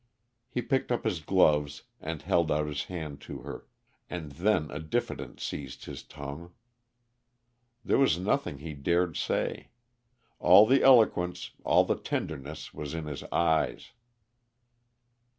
He picked up his gloves and held out his hand to her and then a diffidence seized his tongue. There was nothing he dared say. All the eloquence, all the tenderness, was in his eyes.